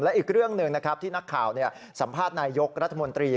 และอีกเรื่องหนึ่งที่นักข่าวสัมภาษณ์นายกรัฐมนตรี